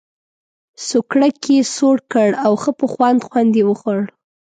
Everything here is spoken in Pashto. سوکړک یې سوړ کړ او ښه په خوند خوند یې وخوړ.